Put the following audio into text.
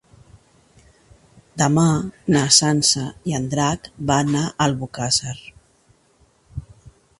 Demà na Sança i en Drac van a Albocàsser.